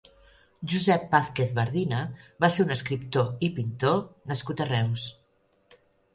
Josep Vázquez Bardina va ser un escriptor i pintor nascut a Reus.